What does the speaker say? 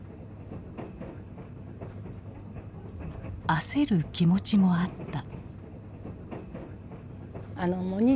焦る気持ちもあった。